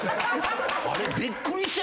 あれびっくりした。